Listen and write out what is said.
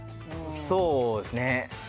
そうですね。